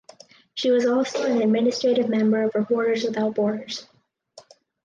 She was also an administrative member of Reporters Without Borders.